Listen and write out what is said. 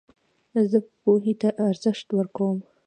زه پوهي ته ارزښت ورکوم.